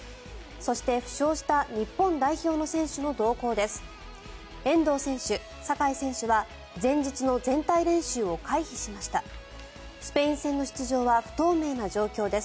そして、負傷した日本代表の選手の動向です。